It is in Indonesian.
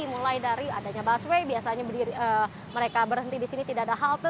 mulai dari adanya busway biasanya mereka berhenti di sini tidak ada halte